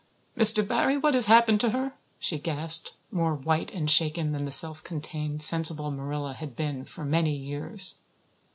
"Mr. Barry, what has happened to her?" she gasped, more white and shaken than the self contained, sensible Marilla had been for many years.